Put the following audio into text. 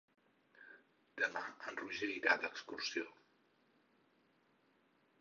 Demà en Roger irà d'excursió.